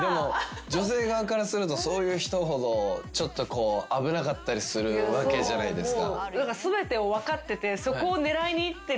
女性側からするとそういう人ほどちょっと危なかったりするわけじゃないですか。